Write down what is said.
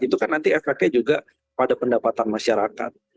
itu kan nanti efeknya juga pada pendapatan masyarakat